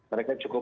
mereka cukup rapat